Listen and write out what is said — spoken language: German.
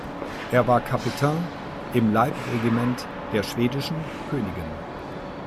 Er war Capitain im Leibregiment der schwedischen Königin.